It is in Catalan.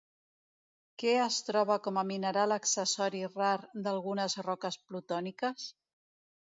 Què es troba com a mineral accessori rar d'algunes roques plutòniques?